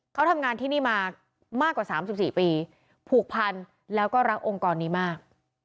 เขาทำงานที่นี่มามากกว่า๓๔ปีผูกพันแล้วก็รักองค์กรนี้มาก